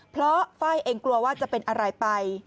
เพราะไฟล์เองกลัวว่าจะเป็นอะไรไป